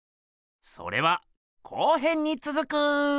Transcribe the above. それは後編につづく。